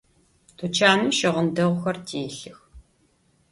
Тучаным щыгъын дэгъухэр телъых.